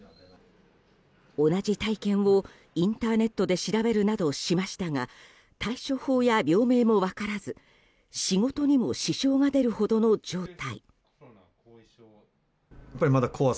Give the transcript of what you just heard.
同じ体験をインターネットで調べるなどしましたが対処法や病名も分からず仕事にも支障が出るほどの状態。